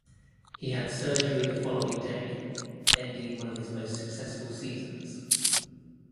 He had surgery the following day, ending one of his most successful seasons.